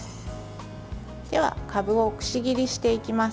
では、株をくし切りしていきます。